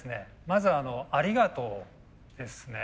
まずはありがとうですね。